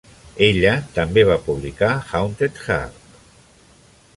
Ella també va publicar "Haunted Heart".